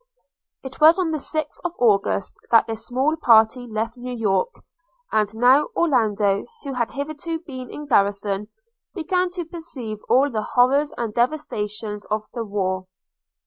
It was on the sixth of August that this small party left New York; and now Orlando, who had hitherto been in garrison, began to perceive all the horrors and devastations of war.